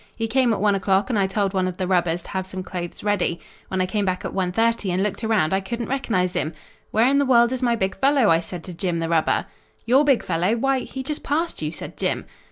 He came at one o'clock and I told one of the rubbers to have some clothes ready. When I came back at 1:30 and looked around I couldn't recognize him. 'Where in the world is my big fellow?' I said to Jim the rubber. "'Your big fellow? Why, he just passed you,' said Jim.